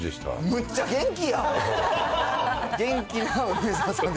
むっちゃ元気やん。